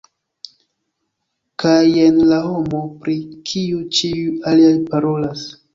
Kaj jen la homo pri kiu ĉiuj aliaj parolas.